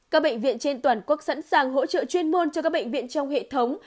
các bệnh viện trên toàn quốc sẵn sàng hỗ trợ chuyên môn cho các bệnh viện trong hệ thống